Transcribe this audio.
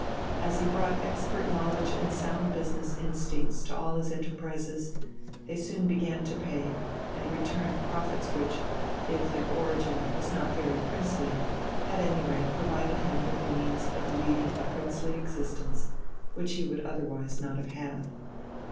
As he brought expert knowledge and sound business instincts to all his enterprises, they soon began to pay, and returned profits which, if their origin was not very princely, at any rate provided him with the means of leading a princely existence which he would otherwise not have had.